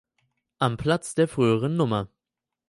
Am Platz der früheren Nr.